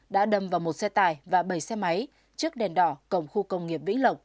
đã đâm vào một xe tải và bảy xe máy trước đèn đỏ cổng khu công nghiệp vĩnh lộc